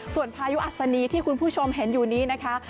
ส่วนพายุอัศนีที่คุณผู้ชมเห็นอยู่นี้นะคะ